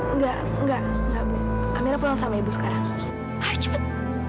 enggak enggak amirah pulang sama ibu sekarang ayo cepet